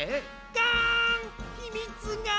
ガン！ひみつが！